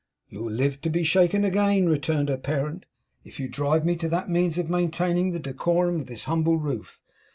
'You'll live to be shaken again,' returned her parent, 'if you drive me to that means of maintaining the decorum of this humble roof.